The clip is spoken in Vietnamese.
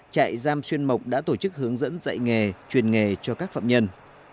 chạy giam xuyên mộc đã tổ chức hướng dẫn dạy nghề truyền nghề cho các phạm nhân